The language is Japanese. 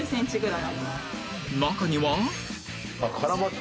中には